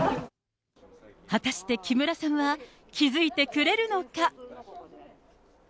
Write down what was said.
果たして、木村さんは気付いてくれるのか。